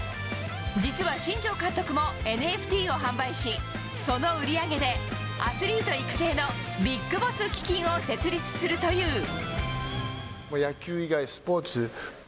実は新庄監督もＮＦＴを販売しその売り上げでアスリート育成のＢＩＧＢＯＳＳ基金を設立するという。